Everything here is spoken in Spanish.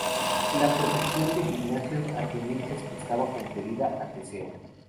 La protección de los gimnasios atenienses estaba conferida a Teseo.